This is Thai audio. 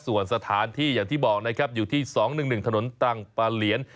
ส่วนสถานที่อย่างที่บอกนะครับอยู่ที่๒๑๑ถนนตังปลาเหลียน